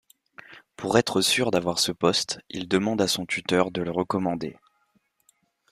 Pour être sûr d’avoir ce poste il demande à son tuteur de le recommander.